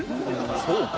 そうか？